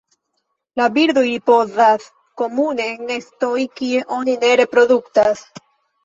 La birdoj ripozas komune en nestoj kie oni ne reproduktas.